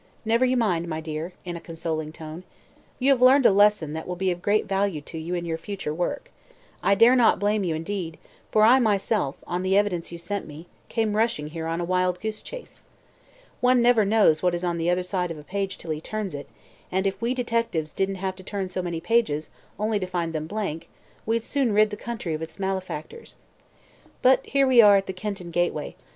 "Never you mind, my dear," in a consoling tone; "you have learned a lesson that will be of great value to you in your future work. I dare not blame you, indeed, for I myself, on the evidence you sent me, came rushing here on a wild goose chase. One never knows what is on the other side of a page till he turns it, and if we detectives didn't have to turn so many pages, only to find them blank, we'd soon rid the country of its malefactors. But here we are at the Kenton gateway.